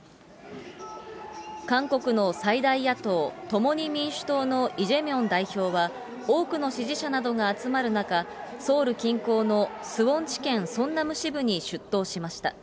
韓国の最大野党・共に民主党のイ・ジェミョン代表は、多くの支持者などが集まる中、ソウル近郊のスウォン地検ソンナム支部に出頭しました。